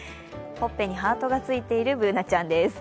ほっぺにハートがついているＢｏｏｎａちゃんです。